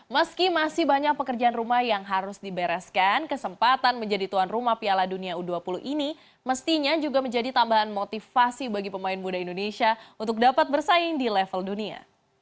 meski masih banyak pekerjaan rumah yang harus dibereskan kesempatan menjadi tuan rumah piala dunia u dua puluh ini mestinya juga menjadi tambahan motivasi bagi pemain muda indonesia untuk dapat bersaing di level dunia